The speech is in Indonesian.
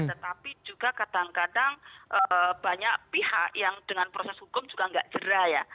tetapi juga kadang kadang banyak pihak yang dengan proses hukum juga nggak jerah ya